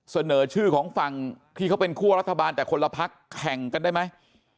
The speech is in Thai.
เสนอชื่อของฝั่งที่เขาเป็นคั่วรัฐบาลแต่คนละพักแข่งกันได้ไหม